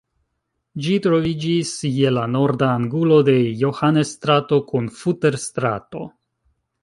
Ĝi troviĝis je la norda angulo de Johannes-strato kun Futter-strato.